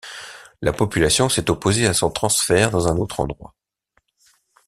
La population s'est opposée à son transfert dans un autre endroit.